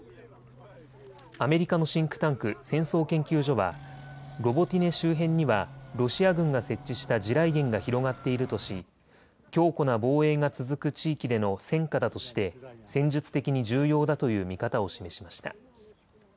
アメリカのシンクタンク、戦争研究所はロボティネ周辺にはロシア軍が設置した地雷原が広がっているとし強固な防衛が続く地域での戦果だとして戦術的に重要だという見方を示しました。